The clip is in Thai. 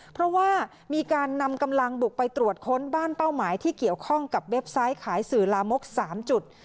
เพราะว่ามีการนำกำลังบุกไปตรวจค้นบ้านเป้าหมายที่เกี่ยวข้องกับเว็บไซต์ขายสื่อลามก๓จุด